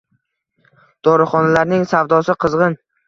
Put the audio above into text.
Dorixonalarning savdosi qizg’in